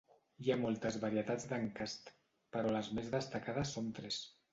Hi ha moltes varietats d'encast, però les més destacades són tres.